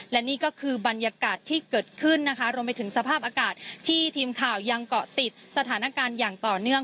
และนี่ก็คือบรรยากาศที่เกิดขึ้นนะคะรวมไปถึงสภาพอากาศที่ทีมข่าวยังเกาะติดสถานการณ์อย่างต่อเนื่อง